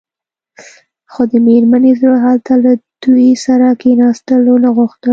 خو د مينې زړه هلته له دوی سره کښېناستل ونه غوښتل.